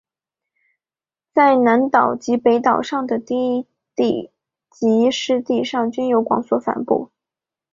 在南岛及北岛上的低地及湿地上均有广泛分布。